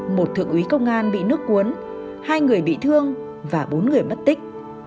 một thượng úy công an bị nước cuốn hai người bị thương và bốn người mất tích